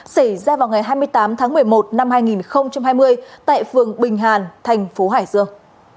xảy ra vào ngày hai mươi tám tháng một mươi một năm hai nghìn hai mươi tại phường bình hàn thành phố hải dương